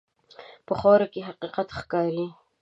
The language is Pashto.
په خاوره کې حقیقت ښکاري.